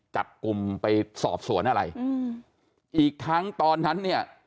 จับกลุ่มไปสอบสวนอะไรอืมอีกทั้งตอนนั้นเนี่ย